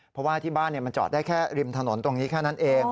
เพราะว่าที่บ้านมันจอดได้แค่ริมถนนตรงนี้แค่นั้นเอง